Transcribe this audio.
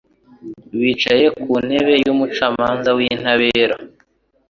wicaye ku ntebe y’umucamanza w’intabera